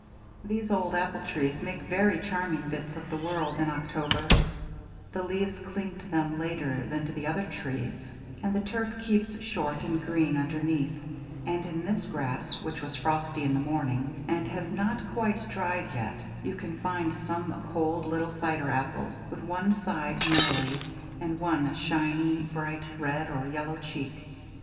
These old apple trees make very charming bits of the world in October; the leaves cling to them later than to the other trees, and the turf keeps short and green underneath; and in this grass, which was frosty in the morning, and has not quite dried yet, you can find some cold little cider apples, with one side knurly, and one shiny bright red or yellow cheek.